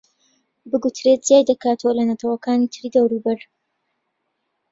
بگوترێت جیای دەکاتەوە لە نەتەوەکانی تری دەوروبەر